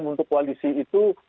membentuk koalisi itu